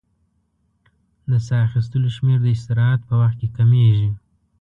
د سا اخیستلو شمېر د استراحت په وخت کې کمېږي.